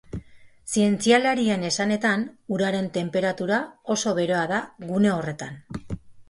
Zientzialarien esanetan, uraren tenperatura oso beroa da gune horretan.